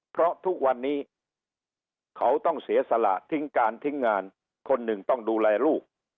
เพราะทุกวันนี้เขาต้องเสียสละทิ้งการทิ้งงานคนหนึ่งต้องดูแลลูก